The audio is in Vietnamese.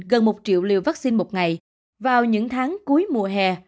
gần một triệu liều vaccine một ngày vào những tháng cuối mùa hè